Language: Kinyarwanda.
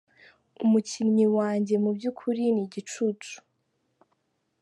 Umukinnyi wanjye mu by'ukuri ni igicucu.